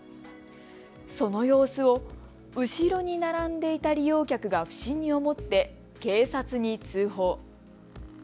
その様子を後ろに並んでいた利用客が不審に思って警察に通報。